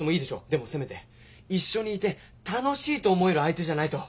でもせめて一緒にいて楽しいと思える相手じゃないと。